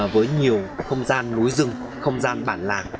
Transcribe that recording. với nhiều không gian núi rừng không gian bản làng